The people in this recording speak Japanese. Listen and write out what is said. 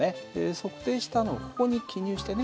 測定したのをここに記入してね。